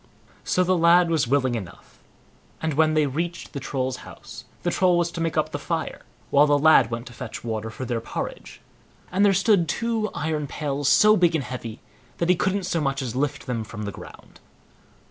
So the lad was willing enough; and when they reached the Troll's house, the Troll was to make up the fire, while the lad went to fetch water for their porridge, and there stood two iron pails so big and heavy, that he couldn't so much as lift them from the ground.